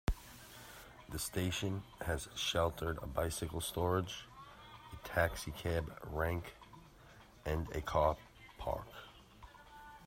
The station has sheltered bicycle storage, a taxicab rank, and a car park.